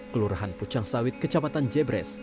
kelurahan pucang sawit kecamatan jebres